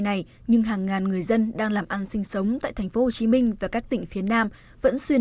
này nhưng hàng ngàn người dân đang làm ăn sinh sống tại tp hcm và các tỉnh phía nam vẫn xuyên